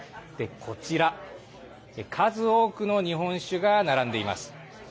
こちら、数多くの日本酒の瓶が並んでいます。